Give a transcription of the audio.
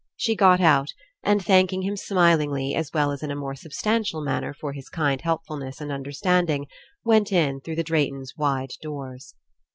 She got out, and thanking him smilingly as well as in a more substantial manner for his kind helpfulness and understanding, went In through the Drayton's wide doors.